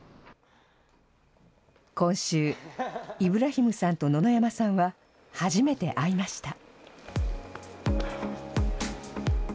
今週、イブラヒムさんと野々山さんは、初めて会いました。